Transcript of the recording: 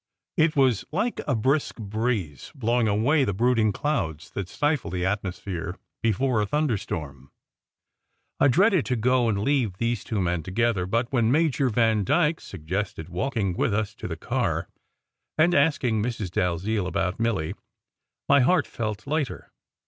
It was like a brisk breeze blowing away the brooding clouds that stifle the atmosphere before a thunder storm. I dreaded to go and leave those two men together; but when Major Vandyke suggested walking with us to the car, and asking Mrs. Dalziel about Milly, my heart felt lighter.